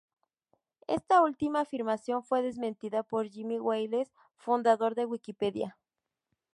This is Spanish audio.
Esta última afirmación fue desmentida por Jimmy Wales, fundador de Wikipedia.